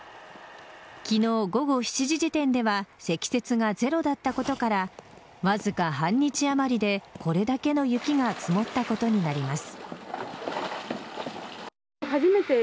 昨日午後７時時点では積雪がゼロだったことからわずか半日あまりでこれだけの雪が積もったことになります。